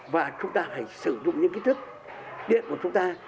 và chúng ta phải sử dụng những cái thức điện của chúng ta